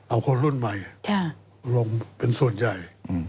เอาคนรุ่นใหม่ลงเป็นส่วนใหญ่